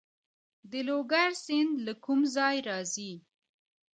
د لوګر سیند له کوم ځای راځي؟